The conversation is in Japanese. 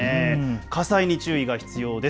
火災に注意が必要です。